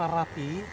dan juga tempat tidur